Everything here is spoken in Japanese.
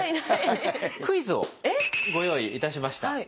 クイズをご用意いたしました。